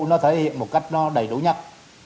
nó thể hiện một cách đầy đủ nhất